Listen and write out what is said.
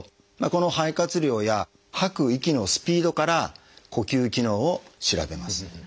この肺活量や吐く息のスピードから呼吸機能を調べます。